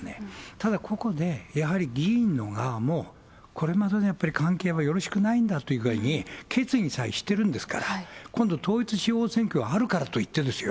ただここで、やはり議員の側も、これまでの関係はやっぱりよろしくないんだという具合に、決議にさえしてるんですから、今度、統一地方選挙があるからといってですよ、